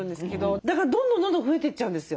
だからどんどんどんどん増えていっちゃうんですよ。